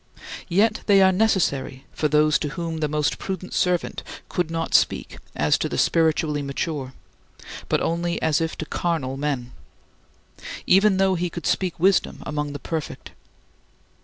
Yet they are necessary for those to whom thy most prudent servant could not speak as to the spiritually mature, but only as if to carnal men even though he could speak wisdom among the perfect.